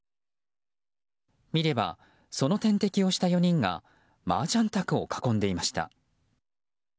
見れば、その点滴をした４人がマージャン卓を囲んでいました。